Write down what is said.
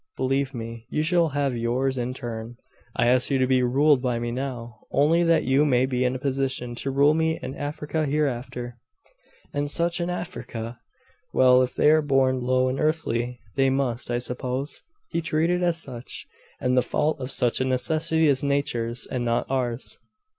'Believe me, you shall have yours in turn. I ask you to be ruled by me now, only that you may be in a position to rule me and Africa hereafter.' 'And such an Africa! Well, if they are born low and earthly, they must, I suppose, he treated as such; and the fault of such a necessity is Nature's, and not ours.